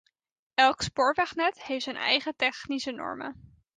Elk spoorwegnet heeft zijn eigen technische normen.